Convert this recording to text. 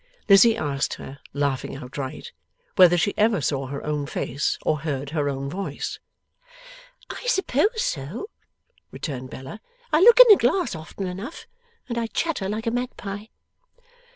Lizzie asked her, laughing outright, whether she ever saw her own face or heard her own voice? 'I suppose so,' returned Bella; 'I look in the glass often enough, and I chatter like a Magpie.